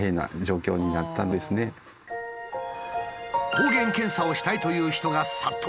抗原検査をしたいという人が殺到。